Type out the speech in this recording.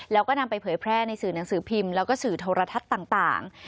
แล้วก็นำไปเผยแพร่ในสื่อหนังสือพิมพ์แล้วก็สื่อโทรทัศน์ต่าง